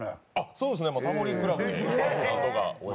そうですね、「タモリ倶楽部」で。